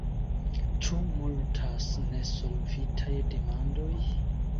Ĉu multas nesolvitaj demandoj?